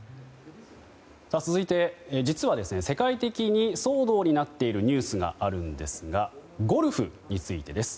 続いて、実は世界的に騒動になっているニュースがあるんですがゴルフについてです。